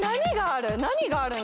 何がある？